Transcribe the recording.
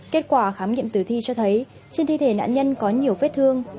kết quả khám nghiệm tử thi cho thấy trên thi thể nạn nhân có nhiều vết thương